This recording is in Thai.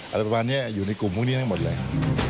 อะไรประมาณนี้อยู่ในกลุ่มพวกนี้ทั้งหมดเลย